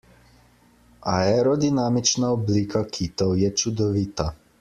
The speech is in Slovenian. Aerodinamična oblika kitov je čudovita.